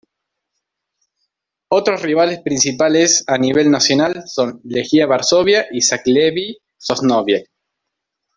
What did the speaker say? Otros rivales principales a nivel nacional son Legia Varsovia y Zagłębie Sosnowiec.